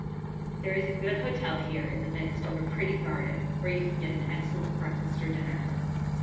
There is a good hotel here, in the midst of a pretty garden, where you can get an excellent breakfast or dinner.